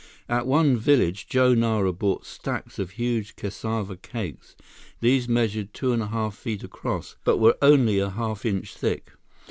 At one village, Joe Nara bought stacks of huge cassava cakes. These measured two and a half feet across, but were only a half inch thick.